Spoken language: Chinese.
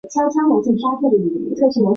两栖车辆大致上可分为军用及民用。